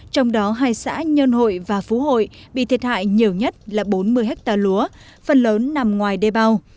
trong đó hai xã nhân hội và phú hội bị thiệt hại nhiều nhất là bốn mươi ha lúa phần lớn nằm ngoài đê bao